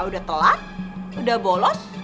udah telat udah bolos